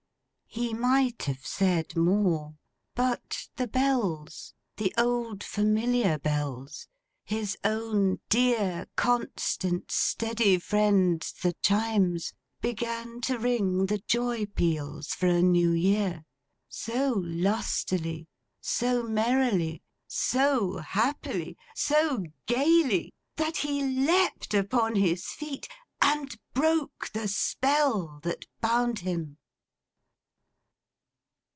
He might have said more; but, the Bells, the old familiar Bells, his own dear, constant, steady friends, the Chimes, began to ring the joy peals for a New Year: so lustily, so merrily, so happily, so gaily, that he leapt upon his feet, and broke the spell that bound him.